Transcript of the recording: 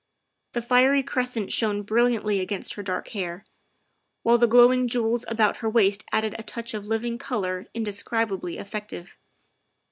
The fiery crescent shone bril liantly against her dark hair, while the glowing jewels about her waist added a touch of living color inde scribably effective.